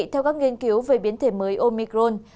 theo các nghiên cứu về biến thể mới omicron